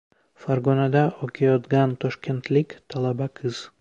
Farg‘onada o‘qiyotgan toshkentlik talaba qiz